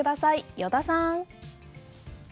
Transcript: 依田さん。